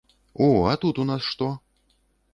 О, а тут у нас што?